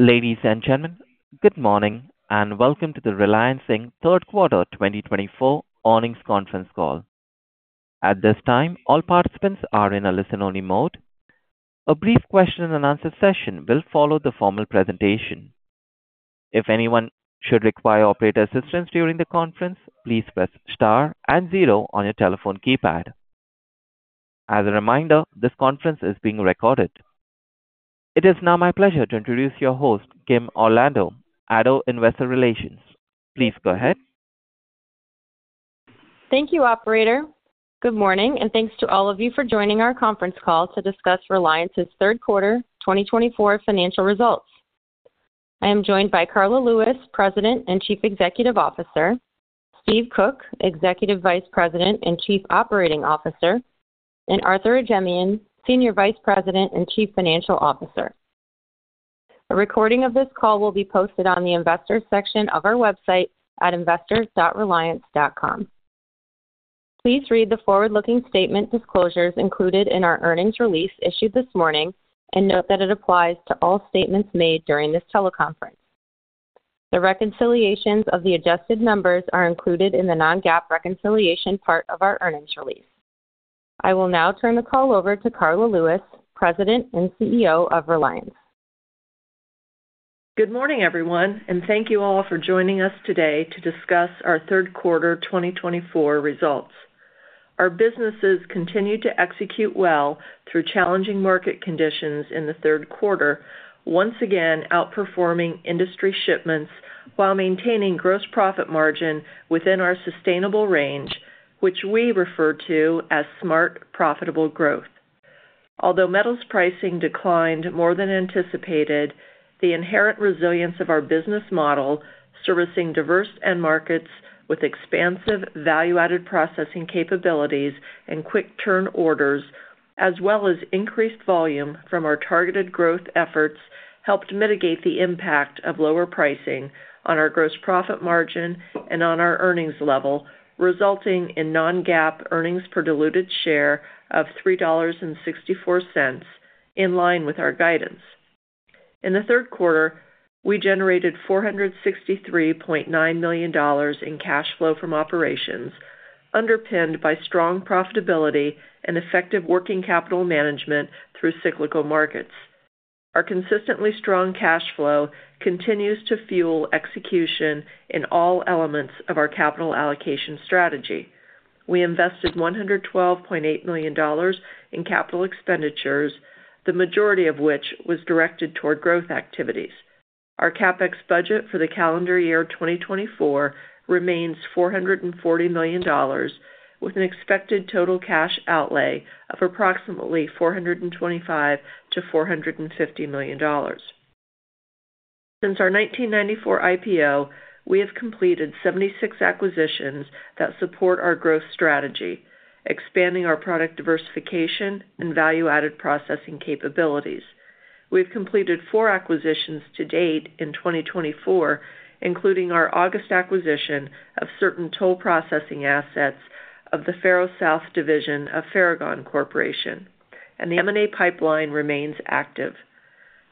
Ladies and gentlemen, good morning, and welcome to the Reliance Inc third quarter 2024 earnings conference call. At this time, all participants are in a listen-only mode. A brief question-and-answer session will follow the formal presentation. If anyone should require operator assistance during the conference, please press star and zero on your telephone keypad. As a reminder, this conference is being recorded. It is now my pleasure to introduce your host, Kim Orlando, ADDO Investor Relations. Please go ahead. Thank you, operator. Good morning, and thanks to all of you for joining our conference call to discuss Reliance's third quarter 2024 financial results. I am joined by Karla Lewis, President and Chief Executive Officer, Steve Koch, Executive Vice President and Chief Operating Officer, and Arthur Ajemyan, Senior Vice President and Chief Financial Officer. A recording of this call will be posted on the Investors section of our website at investors.reliance.com. Please read the forward-looking statement disclosures included in our earnings release issued this morning, and note that it applies to all statements made during this teleconference. The reconciliations of the adjusted numbers are included in the non-GAAP reconciliation part of our earnings release. I will now turn the call over to Karla Lewis, President and CEO of Reliance. Good morning, everyone, and thank you all for joining us today to discuss our third quarter 2024 results. Our businesses continued to execute well through challenging market conditions in the third quarter, once again outperforming industry shipments while maintaining gross profit margin within our sustainable range, which we refer to as smart, profitable growth. Although metals pricing declined more than anticipated, the inherent resilience of our business model, servicing diverse end markets with expansive value-added processing capabilities and quick-turn orders, as well as increased volume from our targeted growth efforts, helped mitigate the impact of lower pricing on our gross profit margin and on our earnings level, resulting in non-GAAP earnings per diluted share of $3.64, in line with our guidance. In the third quarter, we generated $463.9 million in cash flow from operations, underpinned by strong profitability and effective working capital management through cyclical markets. Our consistently strong cash flow continues to fuel execution in all elements of our capital allocation strategy. We invested $112.8 million in capital expenditures, the majority of which was directed toward growth activities. Our CapEx budget for the calendar year 2024 remains $440 million, with an expected total cash outlay of approximately $425 million-$450 million. Since our 1994 IPO, we have completed 76 acquisitions that support our growth strategy, expanding our product diversification and value-added processing capabilities. We've completed four acquisitions to date in 2024, including our August acquisition of certain toll processing assets of the FerrouSouth Division of Ferragon Corporation, and the M&A pipeline remains active.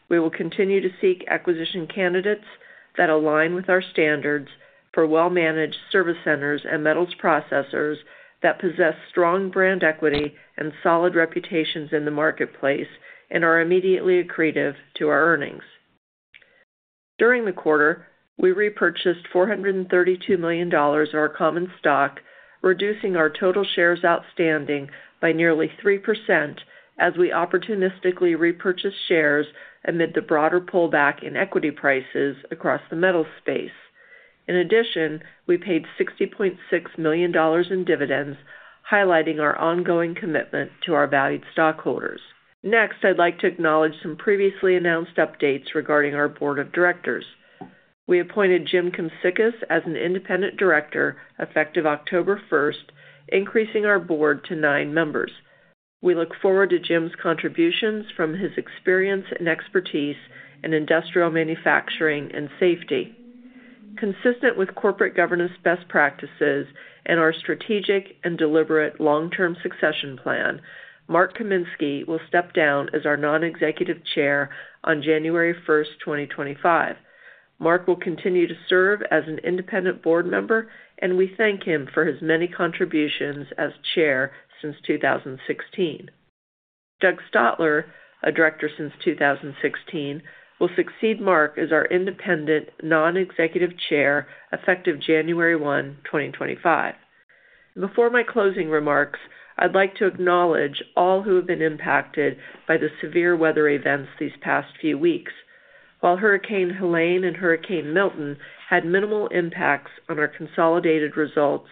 We will continue to seek acquisition candidates that align with our standards for well-managed service centers and metals processors that possess strong brand equity and solid reputations in the marketplace and are immediately accretive to our earnings. During the quarter, we repurchased $432 million in our common stock, reducing our total shares outstanding by nearly 3% as we opportunistically repurchased shares amid the broader pullback in equity prices across the metals space. In addition, we paid $60.6 million in dividends, highlighting our ongoing commitment to our valued stockholders. Next, I'd like to acknowledge some previously announced updates regarding our board of directors. We appointed Jim Hoffman as an Independent Director, effective October first, increasing our board to nine members. We look forward to Jim's contributions from his experience and expertise in industrial manufacturing and safety. Consistent with corporate governance best practices and our strategic and deliberate long-term succession plan, Mark Kaminski will step down as our Non-Executive Chair on January 1, 2025. Mark will continue to serve as an independent board member, and we thank him for his many contributions as chair since 2016. Doug Stotler, a director since 2016, will succeed Mark as our Independent, Non-Executive Chair, effective January 1 2025. Before my closing remarks, I'd like to acknowledge all who have been impacted by the severe weather events these past few weeks. While Hurricane Helene and Hurricane Milton had minimal impacts on our consolidated results,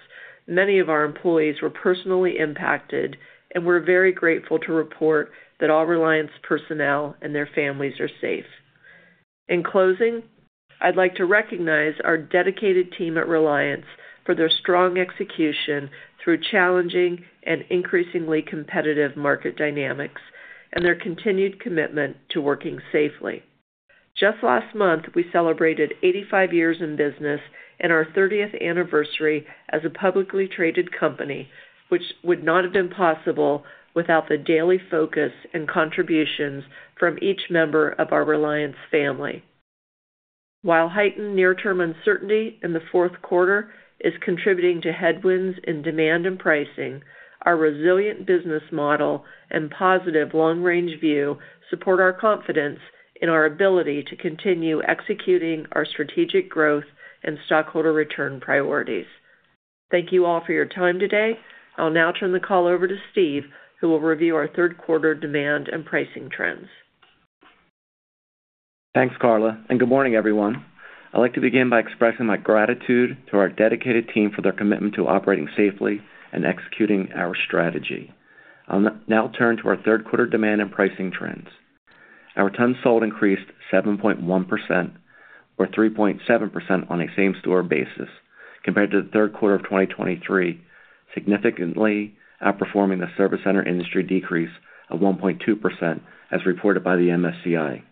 many of our employees were personally impacted, and we're very grateful to report that all Reliance personnel and their families are safe. In closing, I'd like to recognize our dedicated team at Reliance for their strong execution through challenging and increasingly competitive market dynamics and their continued commitment to working safely. Just last month, we celebrated 85 years in business and our 30th anniversary as a publicly traded company, which would not have been possible without the daily focus and contributions from each member of our Reliance family. While heightened near-term uncertainty in the fourth quarter is contributing to headwinds in demand and pricing, our resilient business model and positive long-range view support our confidence in our ability to continue executing our strategic growth and stockholder return priorities. Thank you all for your time today. I'll now turn the call over to Steve, who will review our third quarter demand and pricing trends. Thanks, Karla, and good morning, everyone. I'd like to begin by expressing my gratitude to our dedicated team for their commitment to operating safely and executing our strategy. I'll now turn to our third quarter demand and pricing trends. Our tons sold increased 7.1%, or 3.7% on a same-store basis, compared to the third quarter of 2023, significantly outperforming the service center industry decrease of 1.2%, as reported by the MSCI.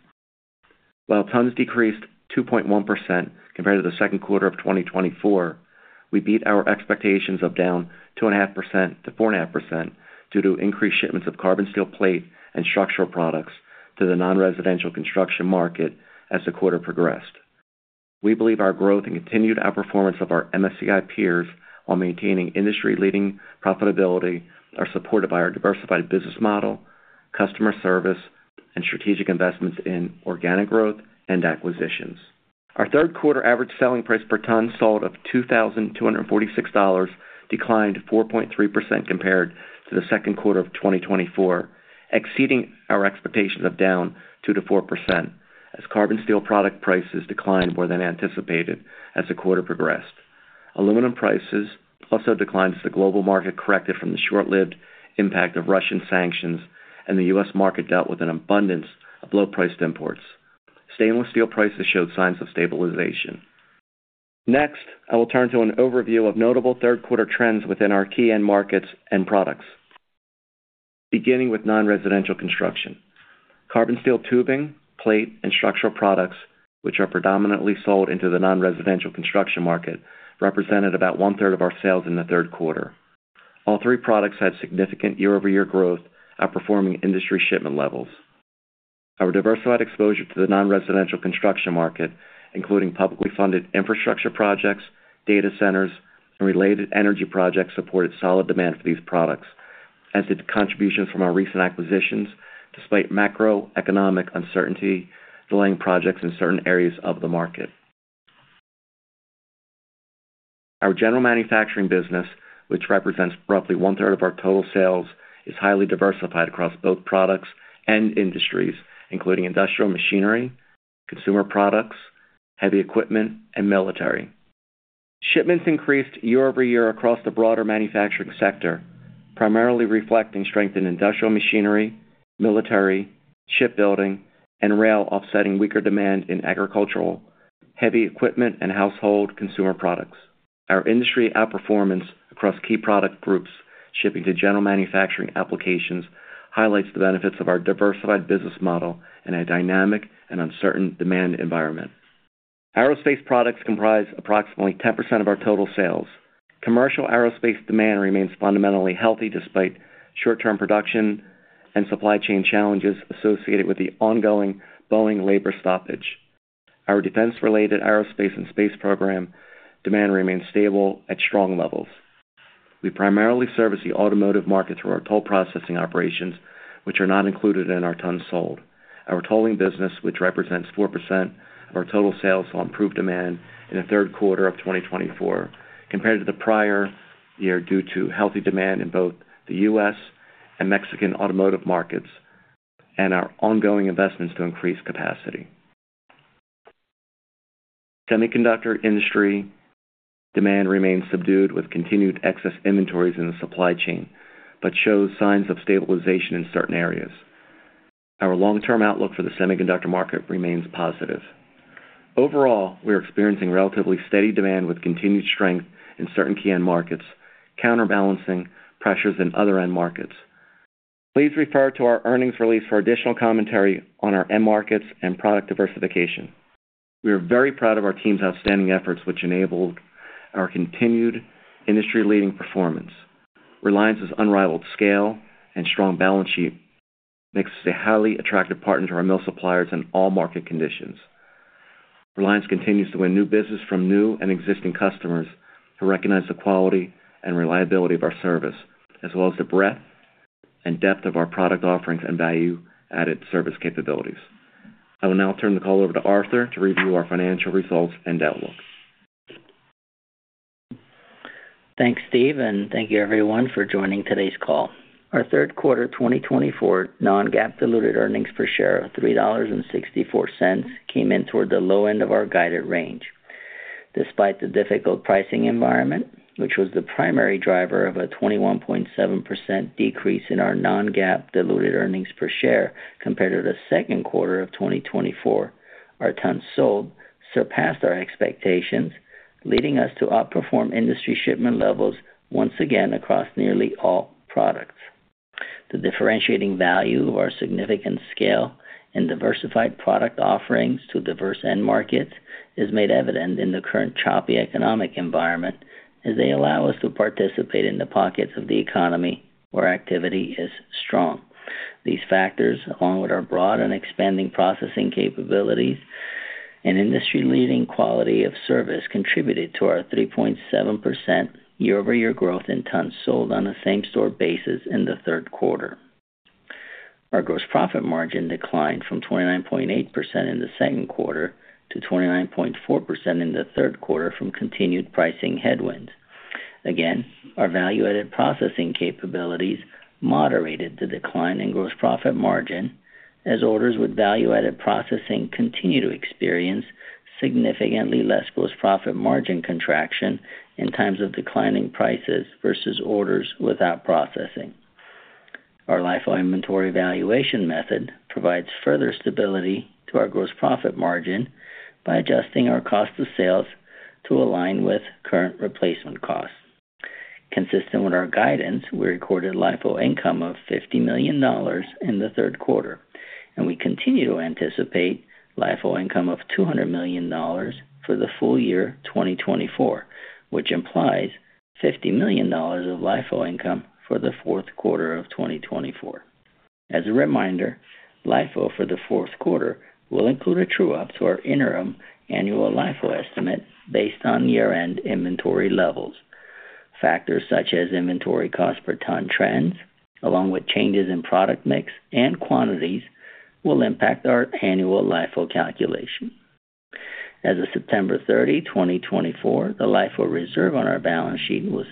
While tons decreased 2.1% compared to the second quarter of 2024, we beat our expectations of down 2.5%-4.5% due to increased shipments of carbon steel plate and structural products to the non-residential construction market as the quarter progressed. We believe our growth and continued outperformance of our MSCI peers, while maintaining industry-leading profitability, are supported by our diversified business model, customer service, and strategic investments in organic growth and acquisitions. Our third quarter average selling price per ton sold of $2,246 declined 4.3% compared to the second quarter of 2024, exceeding our expectations of down 2%-4%, as carbon steel product prices declined more than anticipated as the quarter progressed. Aluminum prices also declined as the global market corrected from the short-lived impact of Russian sanctions, and the U.S. market dealt with an abundance of low-priced imports. Stainless steel prices showed signs of stabilization. Next, I will turn to an overview of notable third quarter trends within our key end markets and products. Beginning with non-residential construction. Carbon steel tubing, plate, and structural products, which are predominantly sold into the non-residential construction market, represented about 1/3 of our sales in the third quarter. All three products had significant year-over-year growth, outperforming industry shipment levels. Our diversified exposure to the non-residential construction market, including publicly funded infrastructure projects, data centers, and related energy projects, supported solid demand for these products, as did contributions from our recent acquisitions, despite macroeconomic uncertainty delaying projects in certain areas of the market. Our general manufacturing business, which represents roughly one-third of our total sales, is highly diversified across both products and industries, including industrial machinery, consumer products, heavy equipment, and military. Shipments increased year-over-year across the broader manufacturing sector, primarily reflecting strength in industrial machinery, military, shipbuilding, and rail, offsetting weaker demand in agricultural, heavy equipment, and household consumer products. Our industry outperformance across key product groups shipping to general manufacturing applications highlights the benefits of our diversified business model in a dynamic and uncertain demand environment. Aerospace products comprise approximately 10% of our total sales. Commercial aerospace demand remains fundamentally healthy, despite short-term production and supply chain challenges associated with the ongoing Boeing labor stoppage. Our defense-related aerospace and space program demand remains stable at strong levels. We primarily service the automotive market through our toll processing operations, which are not included in our tons sold. Our tolling business, which represents 4% of our total sales, saw improved demand in the third quarter of 2024 compared to the prior year, due to healthy demand in both the U.S. and Mexican automotive markets and our ongoing investments to increase capacity. Semiconductor industry demand remains subdued, with continued excess inventories in the supply chain, but shows signs of stabilization in certain areas. Our long-term outlook for the semiconductor market remains positive. Overall, we are experiencing relatively steady demand with continued strength in certain key end markets, counterbalancing pressures in other end markets. Please refer to our earnings release for additional commentary on our end markets and product diversification. We are very proud of our team's outstanding efforts, which enabled our continued industry-leading performance. Reliance's unrivaled scale and strong balance sheet makes us a highly attractive partner to our mill suppliers in all market conditions. Reliance continues to win new business from new and existing customers who recognize the quality and reliability of our service, as well as the breadth and depth of our product offerings and value-added service capabilities. I will now turn the call over to Arthur to review our financial results and outlook. Thanks, Steve, and thank you, everyone, for joining today's call. Our third quarter 2024 non-GAAP diluted earnings per share of $3.64 came in toward the low end of our guided range. Despite the difficult pricing environment, which was the primary driver of a 21.7% decrease in our non-GAAP diluted earnings per share compared to the second quarter of 2024, our tons sold surpassed our expectations, leading us to outperform industry shipment levels once again across nearly all products. The differentiating value of our significant scale and diversified product offerings to diverse end markets is made evident in the current choppy economic environment, as they allow us to participate in the pockets of the economy where activity is strong. These factors, along with our broad and expanding processing capabilities and industry-leading quality of service, contributed to our 3.7% year-over-year growth in tons sold on a same-store basis in the third quarter. Our gross profit margin declined from 29.8% in the second quarter to 29.4% in the third quarter from continued pricing headwinds. Again, our value-added processing capabilities moderated the decline in gross profit margin, as orders with value-added processing continue to experience significantly less gross profit margin contraction in times of declining prices versus orders without processing. Our LIFO inventory valuation method provides further stability to our gross profit margin by adjusting our cost of sales to align with current replacement costs. Consistent with our guidance, we recorded LIFO income of $50 million in the third quarter, and we continue to anticipate LIFO income of $200 million for the full year 2024, which implies $50 million of LIFO income for the fourth quarter of 2024. As a reminder, LIFO for the fourth quarter will include a true-up to our interim annual LIFO estimate based on year-end inventory levels. Factors such as inventory cost per ton trends, along with changes in product mix and quantities, will impact our annual LIFO calculation. As of September 30, 2024, the LIFO reserve on our balance sheet was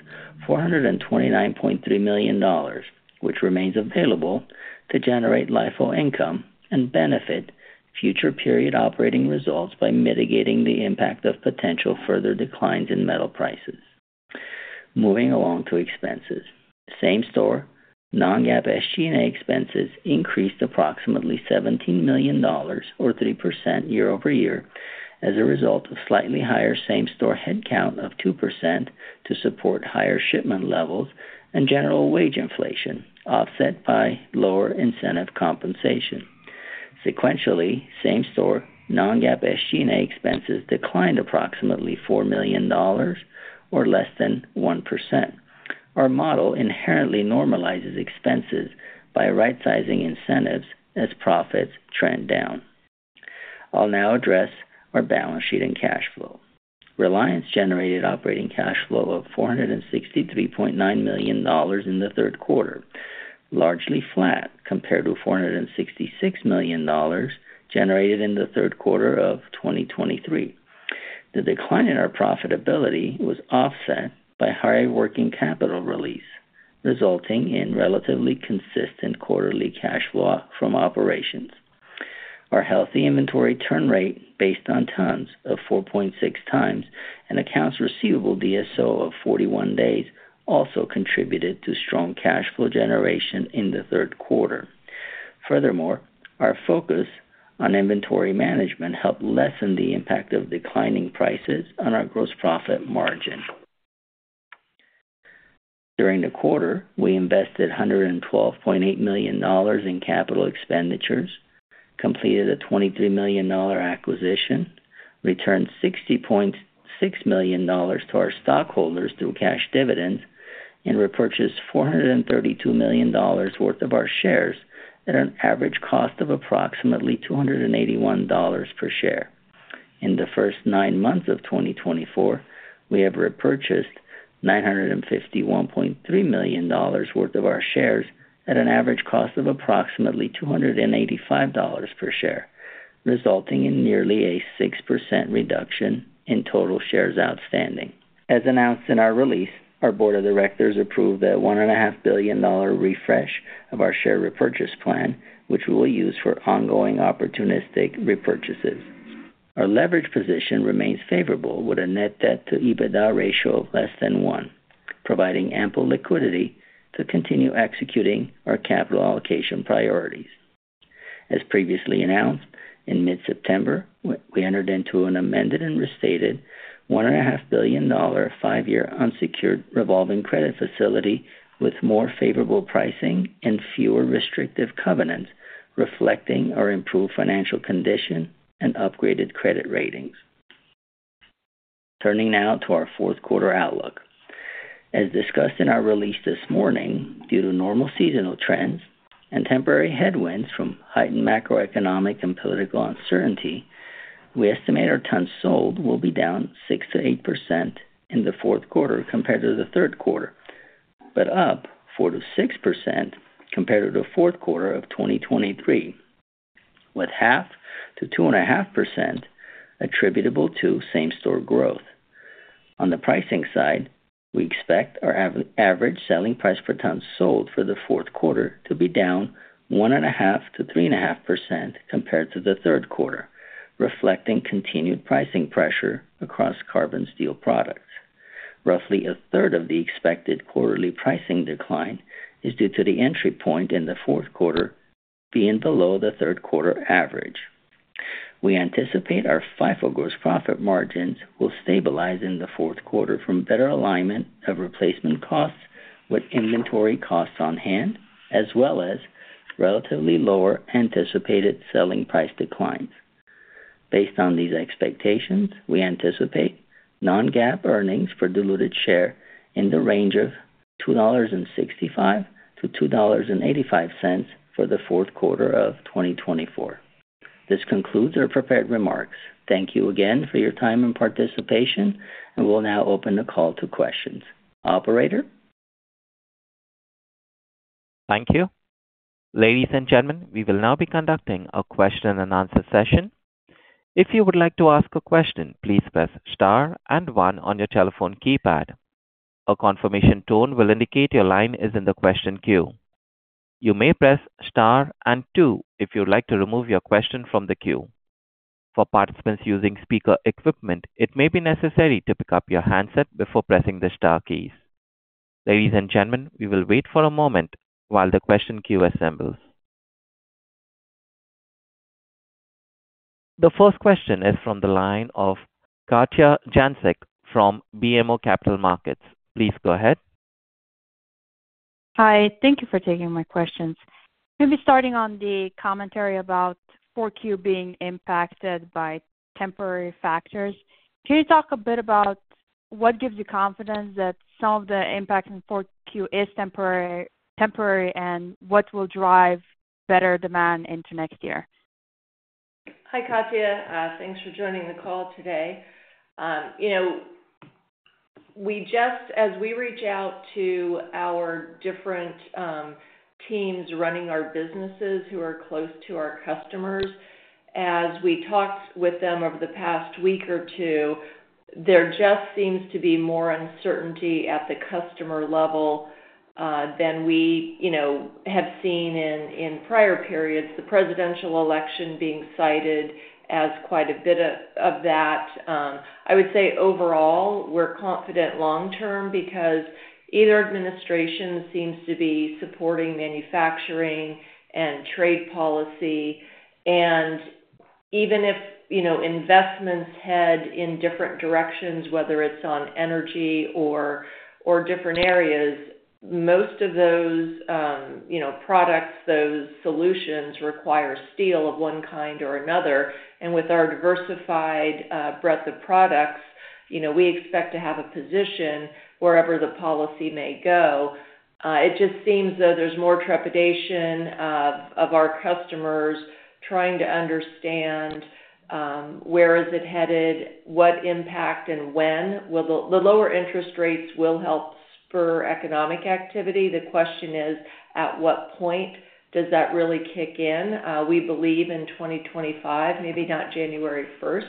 $429.3 million, which remains available to generate LIFO income and benefit future period operating results by mitigating the impact of potential further declines in metal prices. Moving along to expenses. Same-store non-GAAP SG&A expenses increased approximately $17 million or 3% year-over-year, as a result of slightly higher same-store headcount of 2% to support higher shipment levels and general wage inflation, offset by lower incentive compensation. Sequentially, same-store non-GAAP SG&A expenses declined approximately $4 million or less than 1%. Our model inherently normalizes expenses by right sizing incentives as profits trend down. I'll now address our balance sheet and cash flow. Reliance generated operating cash flow of $463.9 million in the third quarter, largely flat compared to $466 million generated in the third quarter of 2023. The decline in our profitability was offset by higher working capital release, resulting in relatively consistent quarterly cash flow from operations. Our healthy inventory turn rate, based on tons, of 4.6 times and accounts receivable DSO of 41 days, also contributed to strong cash flow generation in the third quarter. Furthermore, our focus on inventory management helped lessen the impact of declining prices on our gross profit margin. During the quarter, we invested $112.8 million in capital expenditures, completed a $23 million acquisition, returned $60.6 million to our stockholders through cash dividends, and repurchased $432 million worth of our shares at an average cost of approximately $281 per share. In the first nine months of 2024, we have repurchased $951.3 million worth of our shares at an average cost of approximately $285 per share, resulting in nearly a 6% reduction in total shares outstanding. As announced in our release, our board of directors approved a $1.5 billion refresh of our share repurchase plan, which we will use for ongoing opportunistic repurchases. Our leverage position remains favorable, with a net debt to EBITDA ratio of less than one, providing ample liquidity to continue executing our capital allocation priorities. As previously announced, in mid-September, we entered into an amended and restated $1.5 billion five-year unsecured revolving credit facility with more favorable pricing and fewer restrictive covenants, reflecting our improved financial condition and upgraded credit ratings. Turning now to our fourth quarter outlook. As discussed in our release this morning, due to normal seasonal trends and temporary headwinds from heightened macroeconomic and political uncertainty, we estimate our tons sold will be down 6%-8% in the fourth quarter compared to the third quarter, but up 4%-6% compared to the fourth quarter of 2023, with 0.5%-2.5% attributable to same-store growth. On the pricing side, we expect our average selling price per ton sold for the fourth quarter to be down 1.5%-3.5% compared to the third quarter, reflecting continued pricing pressure across carbon steel products. Roughly a third of the expected quarterly pricing decline is due to the entry point in the fourth quarter being below the third quarter average. We anticipate our FIFO gross profit margins will stabilize in the fourth quarter from better alignment of replacement costs with inventory costs on hand, as well as relatively lower anticipated selling price declines. Based on these expectations, we anticipate non-GAAP earnings per diluted share in the range of $2.65-$2.85 for the fourth quarter of 2024. This concludes our prepared remarks. Thank you again for your time and participation, and we'll now open the call to questions. Operator? Thank you. Ladies and gentlemen, we will now be conducting a question-and-answer session. If you would like to ask a question, please press star and one on your telephone keypad. A confirmation tone will indicate your line is in the question queue. You may press star and two if you'd like to remove your question from the queue. For participants using speaker equipment, it may be necessary to pick up your handset before pressing the star keys. Ladies and gentlemen, we will wait for a moment while the question queue assembles. The first question is from the line of Katja Jancic from BMO Capital Markets. Please go ahead. Hi, thank you for taking my questions. Maybe starting on the commentary about Q4 being impacted by temporary factors. Can you talk a bit about what gives you confidence that some of the impact in Q4 is temporary, and what will drive better demand into next year? Hi, Katja. Thanks for joining the call today. You know, we just as we reach out to our different teams running our businesses, who are close to our customers, as we talked with them over the past week or two, there just seems to be more uncertainty at the customer level than we, you know, have seen in prior periods. The presidential election being cited as quite a bit of that. I would say overall, we're confident long term, because either administration seems to be supporting manufacturing and trade policy, and even if, you know, investments head in different directions, whether it's on energy or different areas, most of those, you know, products, those solutions require steel of one kind or another. And with our diversified breadth of products, you know, we expect to have a position wherever the policy may go. It just seems, though, there's more trepidation of our customers trying to understand where is it headed, what impact and when. Well, the lower interest rates will help spur economic activity. The question is, at what point does that really kick in? We believe in 2025, maybe not January first,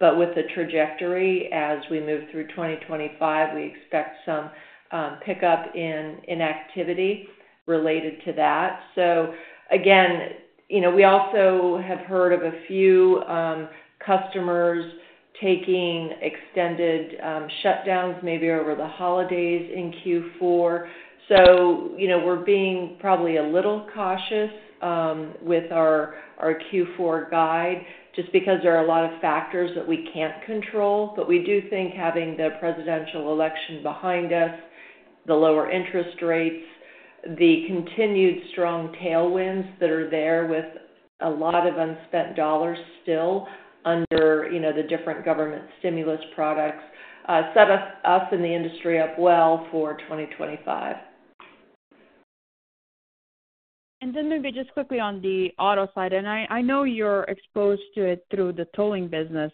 but with the trajectory, as we move through 2025, we expect some pickup in activity related to that. So again, you know, we also have heard of a few customers taking extended shutdowns, maybe over the holidays in Q4. So you know, we're being probably a little cautious with our Q4 guide, just because there are a lot of factors that we can't control. But we do think having the presidential election behind us, the lower interest rates, the continued strong tailwinds that are there with a lot of unspent dollars still under, you know, the different government stimulus products set us and the industry up well for 2025. And then maybe just quickly on the auto side, and I know you're exposed to it through the tolling business,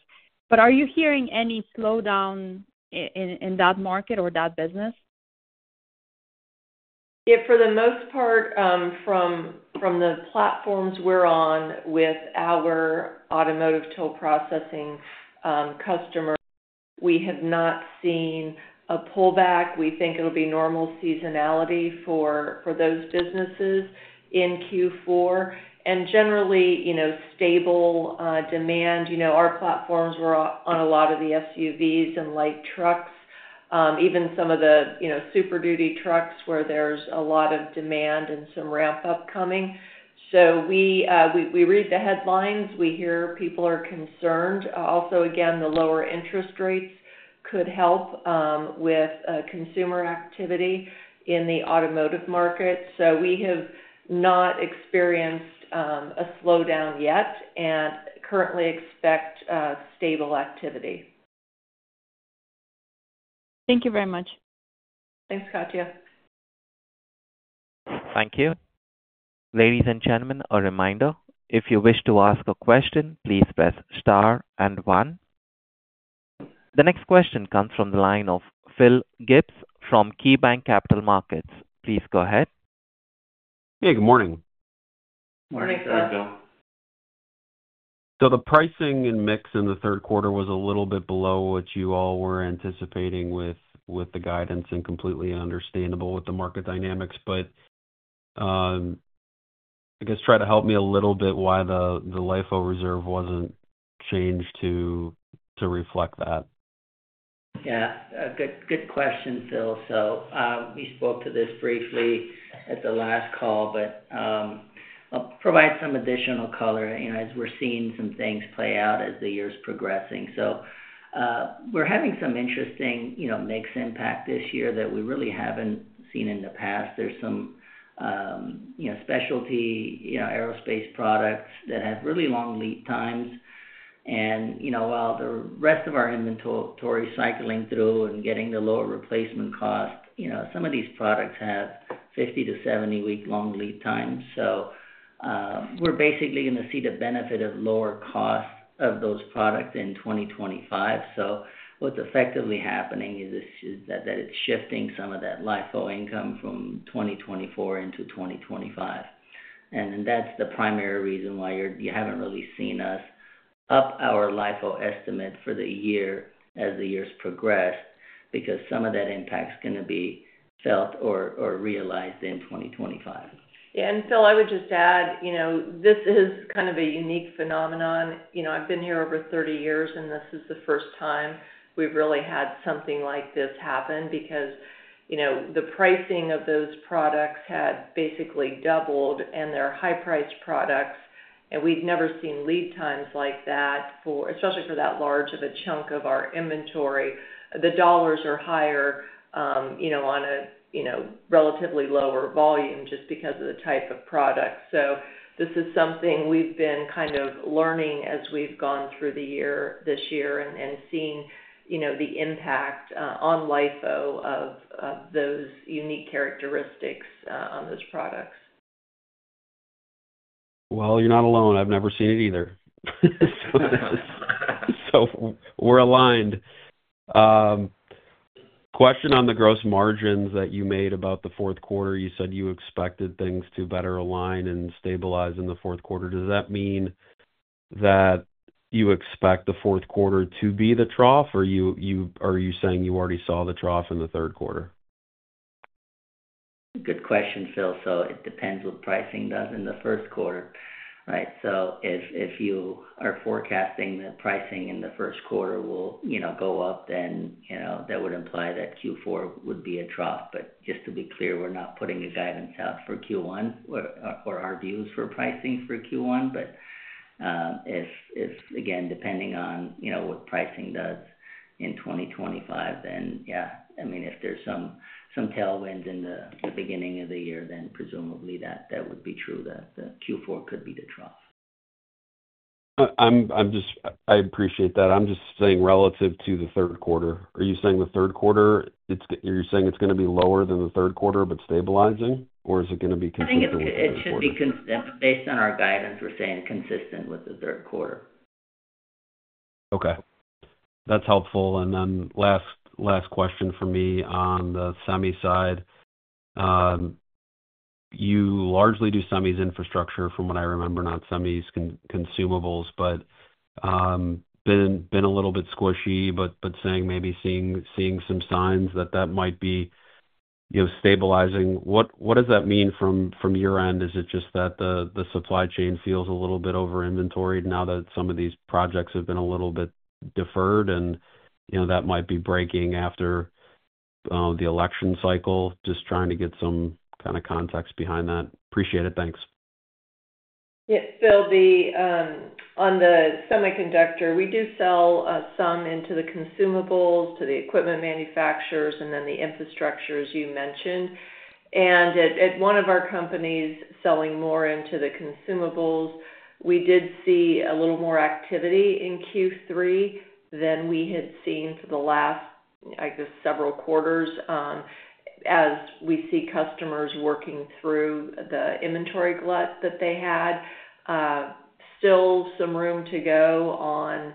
but are you hearing any slowdown in that market or that business? Yeah, for the most part, from the platforms we're on with our automotive toll processing customer, we have not seen a pullback. We think it'll be normal seasonality for those businesses in Q4, and generally, you know, stable demand. You know, our platforms were on a lot of the SUVs and light trucks, even some of the, you know, Super Duty trucks, where there's a lot of demand and some ramp-up coming. So we read the headlines. We hear people are concerned. Also, again, the lower interest rates could help with consumer activity in the automotive market. So we have not experienced a slowdown yet and currently expect stable activity. Thank you very much. Thanks, Katja. Thank you. Ladies and gentlemen, a reminder, if you wish to ask a question, please press star and one. The next question comes from the line of Phil Gibbs from KeyBanc Capital Markets. Please go ahead. Hey, good morning. Morning, Phil. Good morning, Phil. So the pricing and mix in the third quarter was a little bit below what you all were anticipating with the guidance and completely understandable with the market dynamics. But, I guess try to help me a little bit why the LIFO reserve wasn't changed to reflect that. Yeah, good, good question, Phil. So, we spoke to this briefly at the last call, but, I'll provide some additional color, you know, as we're seeing some things play out as the year is progressing. So, we're having some interesting, you know, mix impact this year that we really haven't seen in the past. There's some, you know, specialty, you know, aerospace products that have really long lead times. And, you know, while the rest of our inventory is cycling through and getting the lower replacement cost, you know, some of these products have 50-70 week-long lead times. So, we're basically gonna see the benefit of lower costs of those products in 2025. So what's effectively happening is this, is that it's shifting some of that LIFO income from 2024 into 2025. And that's the primary reason why you haven't really seen us up our LIFO estimate for the year as the years progress, because some of that impact is gonna be felt or realized in 2025. Yeah, and, Phil, I would just add, you know, this is kind of a unique phenomenon. You know, I've been here over thirty years, and this is the first time we've really had something like this happen. Because, you know, the pricing of those products had basically doubled, and they're high-priced products, and we've never seen lead times like that for. Especially for that large of a chunk of our inventory. The dollars are higher, you know, on a, you know, relatively lower volume just because of the type of product. So this is something we've been kind of learning as we've gone through the year, this year, and seeing, you know, the impact on LIFO of those unique characteristics on those products. You're not alone. I've never seen it either. We're aligned. Question on the gross margins that you made about the fourth quarter. You said you expected things to better align and stabilize in the fourth quarter. Does that mean that you expect the fourth quarter to be the trough, or are you saying you already saw the trough in the third quarter? Good question, Phil. So it depends what pricing does in the first quarter, right? So if you are forecasting the pricing in the first quarter will, you know, go up, then, you know, that would imply that Q4 would be a trough. But just to be clear, we're not putting a guidance out for Q1 or our views for pricing for Q1. But if, again, depending on, you know, what pricing does in 2025, then, yeah. I mean, if there's some tailwinds in the beginning of the year, then presumably that would be true, that the Q4 could be the trough. I appreciate that. I'm just saying, relative to the third quarter, are you saying it's gonna be lower than the third quarter, but stabilizing? Or is it gonna be consistent with the third quarter? Based on our guidance, we're saying consistent with the third quarter. Okay. That's helpful, and then last question from me on the semi side. You largely do semis infrastructure from what I remember, not semis consumer consumables, but been a little bit squishy, but saying maybe seeing some signs that that might be, you know, stabilizing. What does that mean from your end? Is it just that the supply chain feels a little bit over-inventoried now that some of these projects have been a little bit deferred and, you know, that might be breaking after the election cycle? Just trying to get some kind of context behind that. Appreciate it. Thanks. Yeah, Phil, on the semiconductor, we do sell some into the consumables to the equipment manufacturers, and then the infrastructure, as you mentioned. And at one of our companies selling more into the consumables, we did see a little more activity in Q3 than we had seen for the last, I guess, several quarters, as we see customers working through the inventory glut that they had. Still some room to go on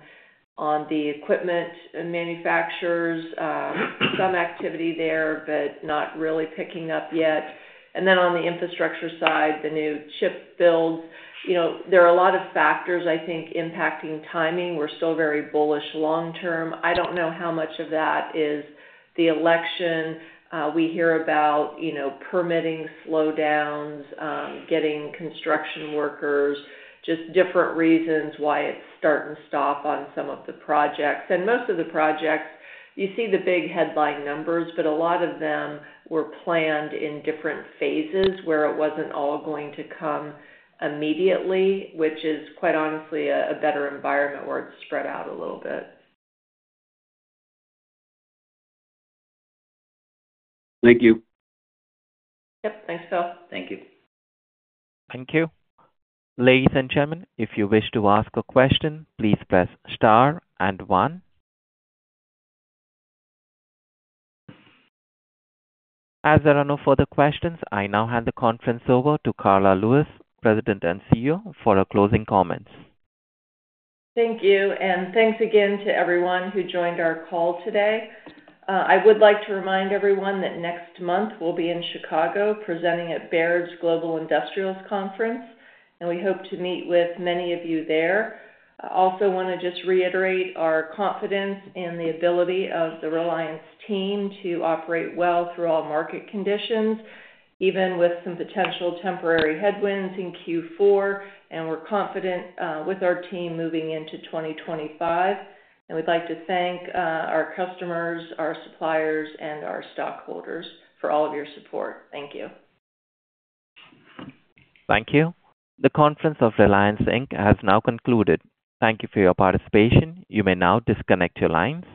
the equipment manufacturers. Some activity there, but not really picking up yet. And then on the infrastructure side, the new chip builds. You know, there are a lot of factors, I think, impacting timing. We're still very bullish long term. I don't know how much of that is the election. We hear about, you know, permitting slowdowns, getting construction workers, just different reasons why it's start and stop on some of the projects, and most of the projects, you see the big headline numbers, but a lot of them were planned in different phases, where it wasn't all going to come immediately, which is, quite honestly, a better environment where it's spread out a little bit. Thank you. Yep. Thanks, Phil. Thank you. Thank you. Ladies and gentlemen, if you wish to ask a question, please press star and one. As there are no further questions, I now hand the conference over to Karla Lewis, President and CEO, for her closing comments. Thank you, and thanks again to everyone who joined our call today. I would like to remind everyone that next month we'll be in Chicago presenting at Baird's Global Industrials conference, and we hope to meet with many of you there. I also want to just reiterate our confidence in the ability of the Reliance team to operate well through all market conditions, even with some potential temporary headwinds in Q4, and we're confident with our team moving into 2025, and we'd like to thank our customers, our suppliers, and our stockholders for all of your support. Thank you. Thank you. The conference of Reliance Inc has now concluded. Thank you for your participation. You may now disconnect your lines.